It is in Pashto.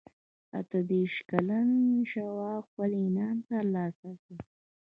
اته دېرش کلن شواب خپل انعام ترلاسه کړ